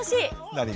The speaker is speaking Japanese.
何が？